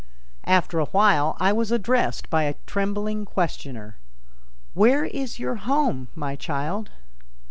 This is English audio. After a while I was addressed by a trembling questioner: "Where is your home, my child?"